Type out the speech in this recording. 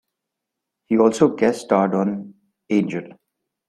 He also guest starred on "Angel".